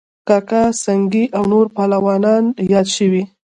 کاکه سنگی او نور پهلوانان یاد شوي